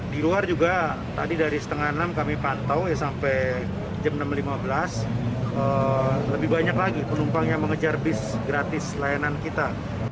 di luar juga tadi dari setengah enam kami pantau sampai jam enam lima belas lebih banyak lagi penumpang yang mengejar bis gratis layanan kita